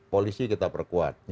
polisi kita perkuat